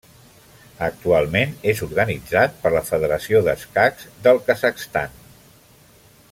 Actualment és organitzat per la Federació d'Escacs del Kazakhstan.